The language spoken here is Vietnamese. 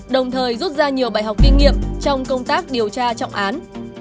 đồng thời rút ra nhiều bài học kinh nghiệm trong công tác điều tra trọng án